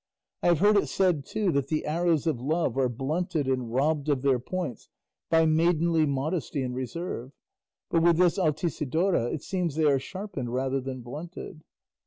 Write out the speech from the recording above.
I have heard it said too that the arrows of Love are blunted and robbed of their points by maidenly modesty and reserve; but with this Altisidora it seems they are sharpened rather than blunted."